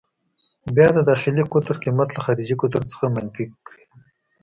بیا د داخلي قطر قېمت له خارجي قطر څخه منفي کړئ.